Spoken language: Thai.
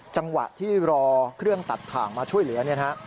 จังหวะที่รอเครื่องตัดถ่างมาช่วยเหลือเนี่ยนะฮะ